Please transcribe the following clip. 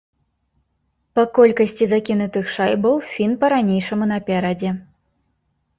Па колькасці закінутых шайбаў фін па-ранейшаму наперадзе.